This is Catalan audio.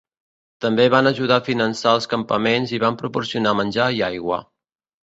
També van ajudar a finançar els campaments i van proporcionar menjar i aigua.